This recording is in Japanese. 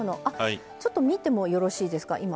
あっちょっと見てもよろしいですか。